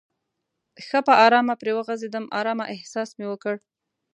ښه په آرامه پرې وغځېدم، آرامه احساس مې وکړ.